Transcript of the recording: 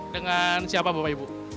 dengan siapa bapak ibu